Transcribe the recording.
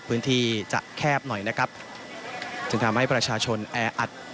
พื้นที่จะแคบหน่อยนะครับจึงทำให้ประชาชนแออัด